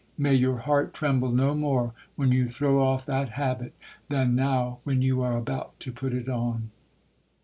May your heart tremble no more when you throw off that habit, than now when you are about to put it on!'